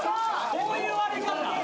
こういう割れ方？